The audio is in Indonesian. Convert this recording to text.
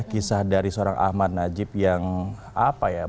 kisah dari seorang ahmad najib yang apa ya